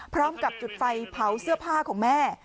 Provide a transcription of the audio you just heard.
พร้อมกับจุดไฟเผาเสื้อผ้าของแม่